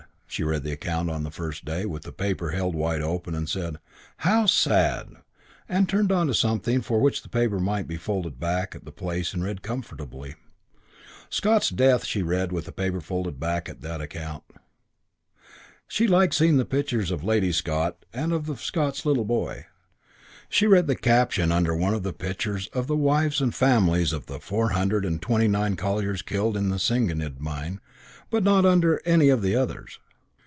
She read the account, on the first day, with the paper held up wide open and said "How sad!" and turned on to something for which the paper might be folded back at the place and read comfortably. Scott's death she read with the paper folded back at the account. She liked seeing the pictures of Lady Scott and of Scott's little boy. She read the caption under one of the pictures of the wives and families of the four hundred and twenty nine colliers killed in the Senghenydd mine, but not under any of the others.